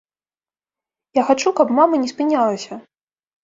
Я хачу, каб мама не спынялася.